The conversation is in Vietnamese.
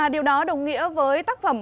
điều đó đồng nghĩa với tác phẩm